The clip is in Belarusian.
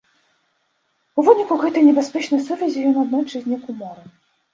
У выніку гэтай небяспечнай сувязі ён аднойчы знік у моры.